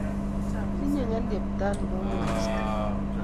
Tinyei ng'elyepta nebo koristo.